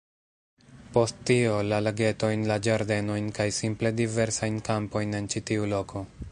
Post tio, la lagetojn, la ĝardenojn, kaj simple diversajn kampojn en ĉi tiu loko.